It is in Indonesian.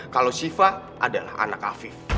kalau shiva adalah anak afif